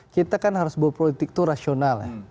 kita kan harus berpolitik itu rasional ya